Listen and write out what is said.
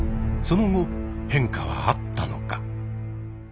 その後変化はあったのか。